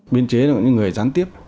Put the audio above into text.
biên chế là những người gián tiếp